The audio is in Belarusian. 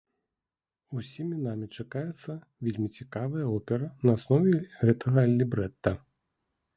Усімі намі чакаецца вельмі цікавая опера на аснове гэтага лібрэта.